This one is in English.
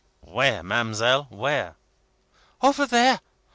"Where, ma'amselle, where?" "See, there!